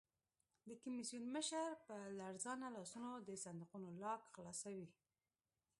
د کمېسیون مشر په لړزانه لاسونو د صندوقونو لاک خلاصوي.